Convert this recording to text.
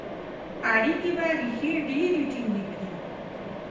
اړیکي به ریښې ډیري ټینګي کړي.